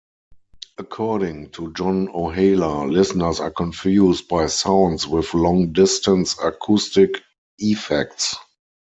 According to John Ohala, listeners are confused by sounds with long-distance acoustic effects.